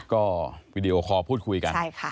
ก็วีดีโอคอลพูดคุยกัน